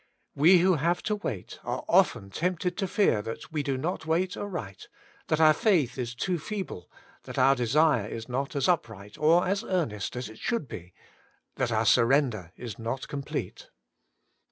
We who have to wait are often tempted to fear that we do not wait aright, that our faith is too feeble, that our desire is not as upright or as earnest as it should be, that our surrender is not complete.